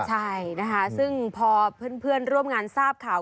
ใช่นะคะซึ่งพอเพื่อนร่วมงานทราบข่าว